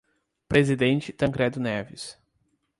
Presidente Tancredo Neves